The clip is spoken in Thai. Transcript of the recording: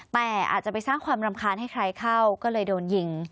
แต่อาจจะไปสร้างความรำคาญให้ใครเข้าก็เลยโดนยิง